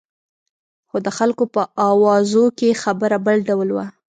خو د خلکو په اوازو کې خبره بل ډول وه.